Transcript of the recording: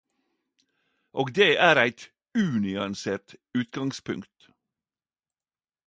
Og det er eit unyansert utgangspunkt.